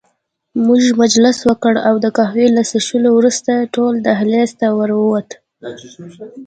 موږ مجلس وکړ او د قهوې له څښلو وروسته ټول دهلېز ته ور ووتو.